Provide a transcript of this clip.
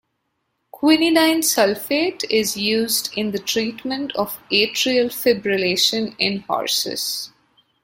Quinidine sulfate is used in the treatment of atrial fibrillation in horses.